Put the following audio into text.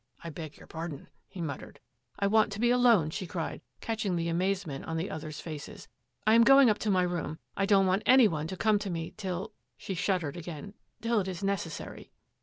" I beg your par don," he muttered. " I want to be alone !" she cried, catching the amazement on the others' faces. " I am going up to my room. I don't want any one to come to me till —" she shuddered again, " till it is necessary."